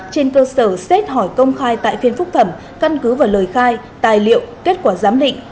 trên cơ sở xét hỏi công khai tại phiên phúc thẩm căn cứ vào lời khai tài liệu kết quả giám định